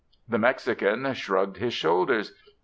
The Mexican shrugged his shoulders.